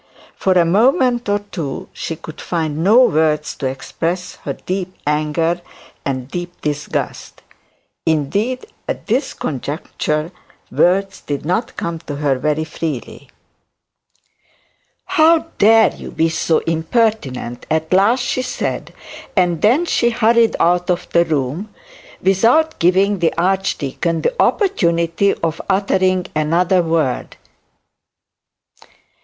For a moment or two she could find no words to express her deep anger and deep disgust; and, indeed, at this conjuncture, words did not come to her very freely. 'How dare you be so impertinent?' at last she said; and then hurried out of the room, without giving the archdeacon the opportunity of uttering another word.